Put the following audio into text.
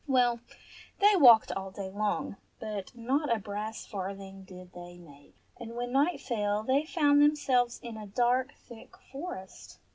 Well, they walked all day long, but not a brass farthing did they make, and when night fell, they found themselves in a dark, thick forest.